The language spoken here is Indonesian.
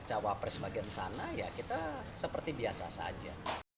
jawab wapres bagian sana ya kita seperti biasa saja